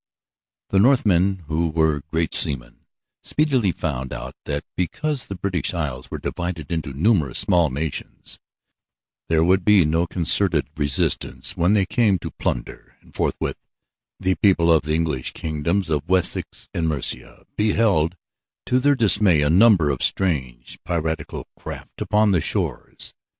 The Northmen, who were great seamen, speedily found out that because the British Isles were divided into numerous small nations, there would be no concerted resistance when they came to plunder; and forthwith the people in the English kingdoms of Wessex and Mercia beheld to their dismay a number of strange, piratical craft upon the shores.